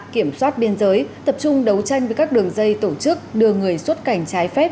kiểm soát biên giới tập trung đấu tranh với các đường dây tổ chức đưa người xuất cảnh trái phép